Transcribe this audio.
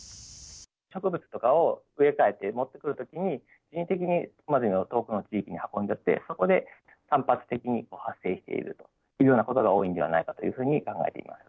植物とかを植え替えて持ってくるときに、人為的にクマゼミを遠くの地域に運んじゃって、そこで散発的に発生しているというようなことが多いのではないかというふうに考えています。